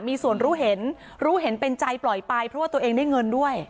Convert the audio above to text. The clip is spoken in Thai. มีส่วนรู้เห็นรู้เห็นเป็นใจปล่อยไปเพราะว่าตัวเองได้เงินด้วย